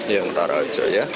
ya ntar aja ya